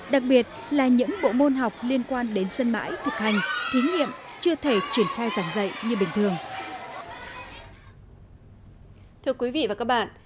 đặc biệt là những bộ môn học liên quan đến sân mãi thực hành thí nghiệm chưa thể triển khai giảng dạy như bình thường